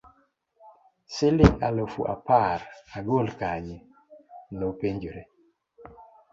siling' aluf apar agol kanye? nopenyore